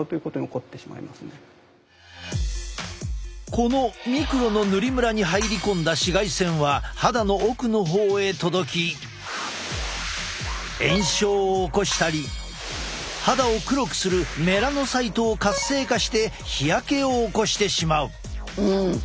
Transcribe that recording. このミクロの塗りムラに入り込んだ紫外線は肌の奥の方へ届き炎症を起こしたり肌を黒くするメラノサイトを活性化して日焼けを起こしてしまう。